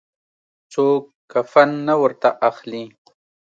څوک کفن نه ورته اخلي.